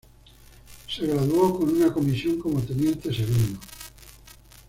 Se graduó con una comisión como teniente segundo.